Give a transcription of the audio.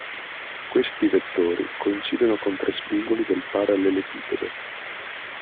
Questi vettori coincidono con tre spigoli del parallelepipedo.